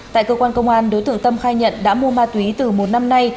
tại cơ quan công an đối tượng tâm khai nhận đã mua ma túy từ một năm nay